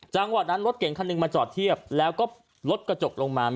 จังหวะนั้นรถเก่งคันหนึ่งมาจอดเทียบแล้วก็รถกระจกลงมา